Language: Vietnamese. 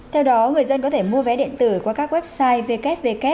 theo đó người dân có thể mua vé điện tử qua các website ww